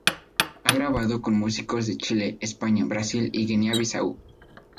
Ha grabado con músicos de Chile, España, Brasil y Guinea-Bisáu.